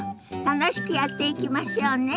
楽しくやっていきましょうね。